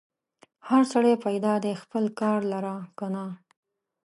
هر سړی پیدا دی خپل خپل کار لره که نه؟